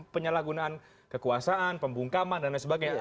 penyalahgunaan kekuasaan pembungkaman dan lain sebagainya